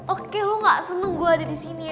oke lo gak seneng gue ada di sini ya